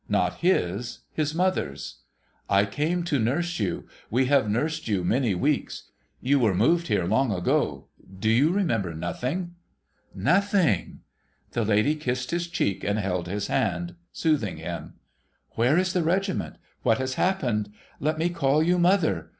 Not his, his mother's. ' I came to nurse you. We have nursed you many weeks. You were moved here long ago. Do you remember nothing ?'' Nothing.' The lady kissed his cheek, and held his hand, soothing him. ' ^^'here is the regiment ? What has happened ? Let me call you mother.